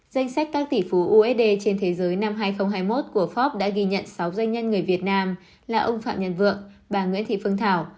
danh sách các tỷ phú usd trên thế giới năm hai nghìn hai mươi một của pháp đã ghi nhận sáu doanh nhân người việt nam là ông phạm nhân vượng bà nguyễn thị phương thảo